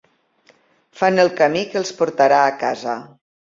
Fan el camí que els portarà a casa.